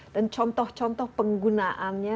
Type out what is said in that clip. dan contoh contoh penggunaannya